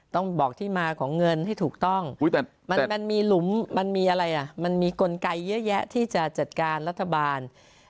ต้องบอกที่มาของเงินให้ถูกต้องมันมีหลุมมันมีอะไรอ่ะมันมีกลไกเยอะแยะที่จะจัดการรัฐบาล